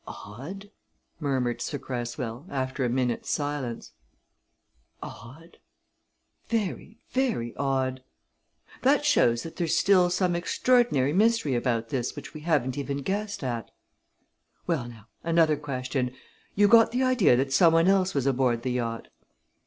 "Odd!" murmured Sir Cresswell, after a minute's silence. "Odd! Very, very odd! That shows that there's still some extraordinary mystery about this which we haven't even guessed at. Well, now, another question you got the idea that some one else was aboard the yacht?"